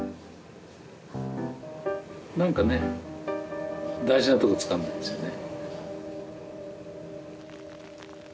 何かね大事なとこつかんでるんですよね。